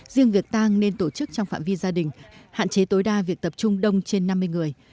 riêng việc tăng nên tổ chức trong phạm vi gia đình hạn chế tối đa việc tập trung đông trên năm mươi người